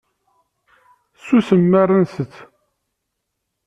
Ttsusum mi ara nttett.